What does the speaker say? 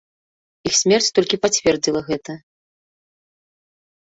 Іх смерць толькі пацвердзіла гэта.